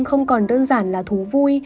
không còn đơn giản là thú vui